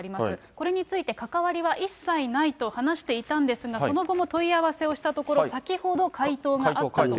これについて、関わりは一切ないと話していたんですが、その後も問い合わせをしたところ、先ほど回答があったと。